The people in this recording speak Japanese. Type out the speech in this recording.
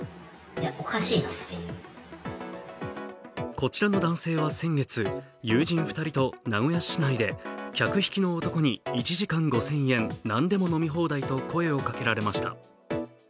こちらの男性は先月、友人２人と名古屋市内で客引きの男に、１時間５０００円、何でも飲み放題と声をかけられました。